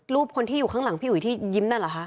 คนที่อยู่ข้างหลังพี่อุ๋ยที่ยิ้มนั่นเหรอคะ